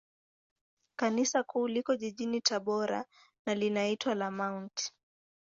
Kanisa Kuu liko jijini Tabora, na linaitwa la Mt.